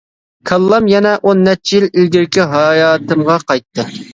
كاللام يەنە ئون نەچچە يىل ئىلگىرىكى ھاياتىمغا قايتتى.